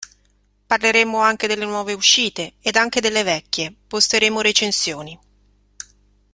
Parleremo anche delle nuove uscite, ed anche delle vecchie, posteremo recensioni.